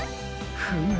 フム。